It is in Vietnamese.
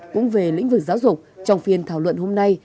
cũng về lĩnh vực giáo dục trong phiên thảo luận hôm nay